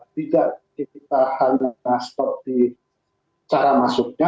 tidak kita hanya transport di cara masuknya